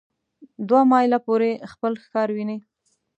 دوه مایله پورې خپل ښکار ویني.